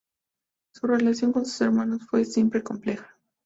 Su relación con sus hermanos fue siempre compleja.